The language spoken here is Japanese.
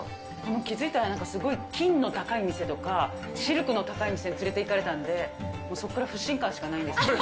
でも気付いたら、なんか金の高い店とか、シルクの高い店に連れていかれたんで、もうそこから不信感しかないです。